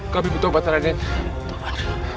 kami butuh batarannya